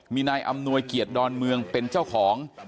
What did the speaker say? มีนายอำนวยเกียรติดอนเมืองเป็นเจ้าของ